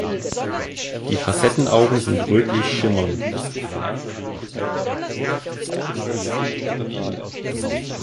Die Facettenaugen sind rötlich schimmernd.